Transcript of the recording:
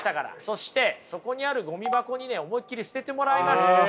そしてそこにあるごみ箱にね思いっきり捨ててもらいます。